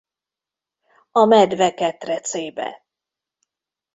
A medve ketrecébe.